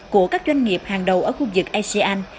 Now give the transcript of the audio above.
của các doanh nghiệp hàng đầu ở khu vực asean